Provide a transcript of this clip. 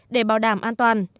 để bảo đảm an toàn